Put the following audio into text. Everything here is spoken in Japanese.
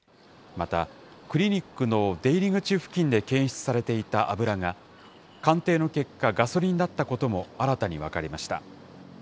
また、クリニックの出入り口付近で検出されていた油が、鑑定の結果、ガソリンだったことも新たに分かりました。